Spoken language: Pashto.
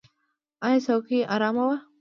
ایا څوکۍ ارامه وه؟